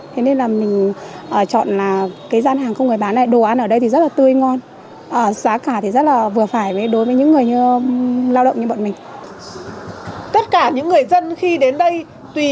thế nên là mình chọn là cái gian hàng không người bán này